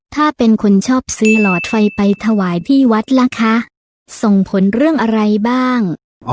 ถ้าเป็นคนชอบซื้อหลอดไฟไปถวายที่วัดล่ะคะส่งผลเรื่องอะไรบ้าง